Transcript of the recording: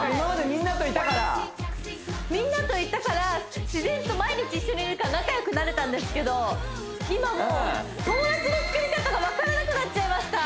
みんなといたからみんなといたから自然と毎日一緒にいるから仲良くなれたんですけど今もう友達の作り方がわからなくなっちゃいました